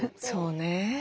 そうね。